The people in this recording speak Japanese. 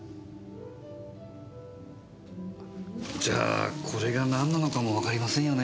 じゃあこれが何なのかもわかりませんよね？